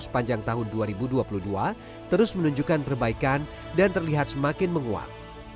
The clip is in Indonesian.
sepanjang tahun dua ribu dua puluh dua terus menunjukkan perbaikan dan terlihat semakin menguat